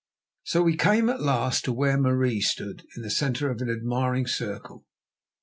So we came at last to where Marie stood, the centre of an admiring circle.